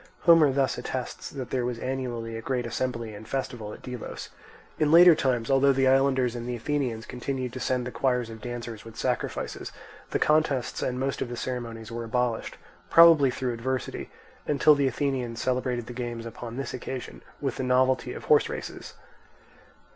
Homer thus attests that there was anciently a great assembly and festival at Delos. In later times, although the islanders and the Athenians continued to send the choirs of dancers with sacrifices, the contests and most of the ceremonies were abolished, probably through adversity, until the Athenians celebrated the games upon this occasion with the novelty of horse races.